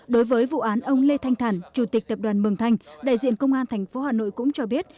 đối với vụ án ông lê thanh thản chủ tịch tập đoàn mường thanh đại diện công an tp hà nội cũng cho biết